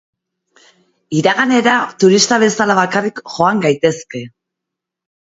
Iraganera turista bezala bakarrik joan gaitezke.